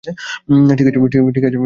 ঠিক আছে, লাকি?